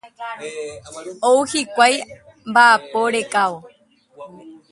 Ou hikuái mba'apo rekávo.